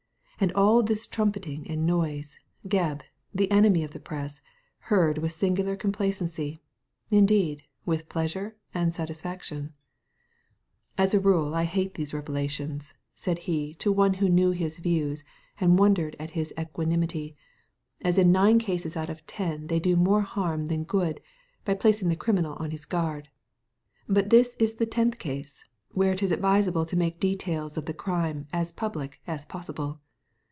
And all this trumpeting and noise, Gebb, the enemy of the Press, heard with singular complacency, indeed, with pleasure and satisfaction. " As a rule, I hate these revelations," said he to Digitized by Google THE FIVE LANDLADIES 37 one who knew his views and wondered at his equanimityy "as in nine cases out of ten they do more harm than good by placing the criminal on his guard ; but this is the tenth case, where it is advisable to make the details of the crime as public as possible.